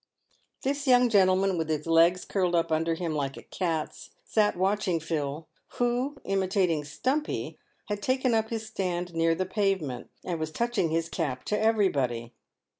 This young gentleman, with his legs curled up under him like a cat's, sat watching Phil, who, imitating Stumpy, had taken up his stand near the pavement, and was touching his cap to everybody.